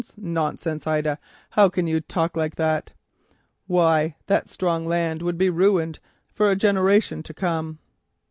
Nonsense, Ida, how can you talk like that? Why that strong land would be ruined for a generation to come."